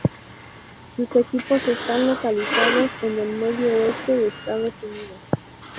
Sus equipos están localizados en el Medio Oeste de Estados Unidos.